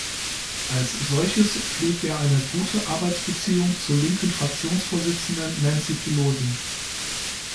Als solches pflegt er eine gute Arbeitsbeziehung zur linken Fraktionsvorsitzenden Nancy Pelosi.